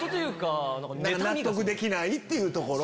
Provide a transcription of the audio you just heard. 納得できないっていうところ？